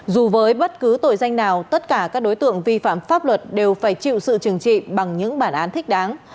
dù với bất cứ tội danh nào tất cả các đối tượng vi phạm pháp luật đều phải chịu sự trừng trị bằng những bản án thích đáng